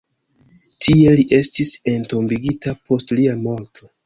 Tie li estis entombigita post lia morto.